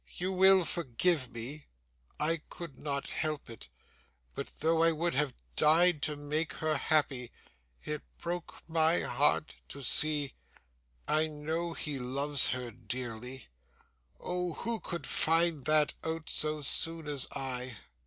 'You will forgive me; I could not help it, but though I would have died to make her happy, it broke my heart to see I know he loves her dearly Oh! who could find that out so soon as I?